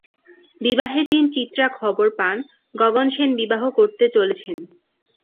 বিবাহের দিন চিত্রা খবর পান গগন সেন বিবাহ করতে চলেছেন।